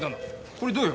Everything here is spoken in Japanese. これどうよ？